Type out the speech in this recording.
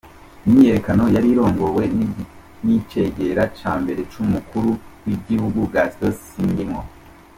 Imyiyerekano yari irongowe n’icegera ca mbere c’umukuru w’igihugu Gaston Sindimwo.